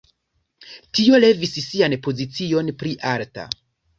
Tio levis ŝian pozicion pli alta.